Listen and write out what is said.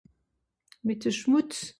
Mìt e Schmùtz